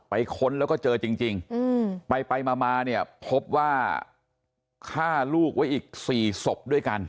ค้นแล้วก็เจอจริงไปมาเนี่ยพบว่าฆ่าลูกไว้อีก๔ศพด้วยกัน